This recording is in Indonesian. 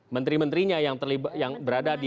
menteri menterinya yang berada